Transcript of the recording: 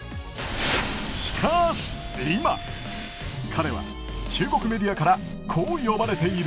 しかし、今彼は中国メディアからこう呼ばれている。